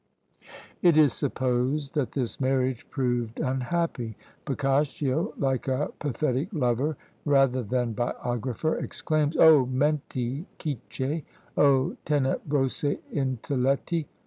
It is supposed that this marriage proved unhappy. Boccaccio, like a pathetic lover rather than biographer, exclaims, _Oh menti cicche! Oh tenebrosi intelletti!